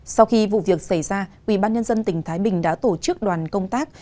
sau khi vụ việc xảy ra ủy ban nhân dân tỉnh thái bình đã tổ chức đoàn công tác